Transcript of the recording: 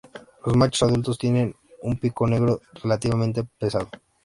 Los machos adultos tienen un pico negro relativamente pesado.